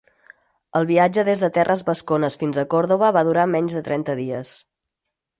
El viatge des de terres vascones fins a Còrdova va durar menys de trenta dies.